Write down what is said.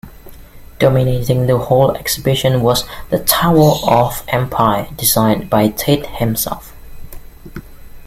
Dominating the whole exhibition was "The Tower of Empire", designed by Tait himself.